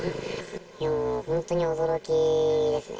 本当に驚きですね。